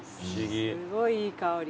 すごいいい香り。